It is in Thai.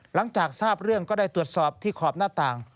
หลังจากทราบเรื่องก็ได้ตรวจสอบที่ขอบหน้าต่าง